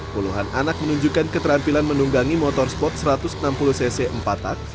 puluhan anak menunjukkan keterampilan menunggangi motorsport satu ratus enam puluh cc empat tak